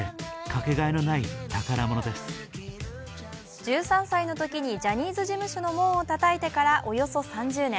１３歳のときにジャニーズ事務所の門をたたいてからおよそ３０年。